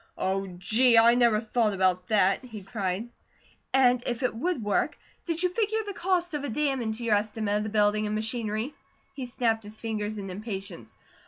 "Oh, gee! I never thought about that!" he cried. "And if it would work, did you figure the cost of a dam into your estimate of the building and machinery?" He snapped his fingers in impatience.